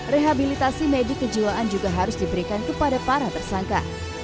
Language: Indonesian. rehabilitasi medik kejiwaan juga harus diberikan kepada para tersangka